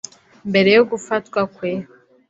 Mbere yo gufatwa kwe